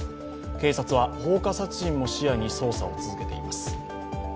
警察は放火殺人も視野に捜査を続けています。